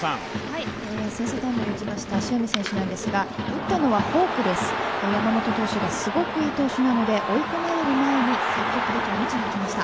先制タイムリーを打ちました塩見選手、打ったのはフォークです、山本投手がすごくいい投手なので追い込められる前に積極的に打ちに行きました。